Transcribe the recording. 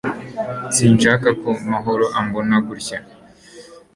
Sinshaka ko Mahoro ambona gutya